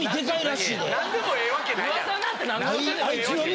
何でもええわけないやん。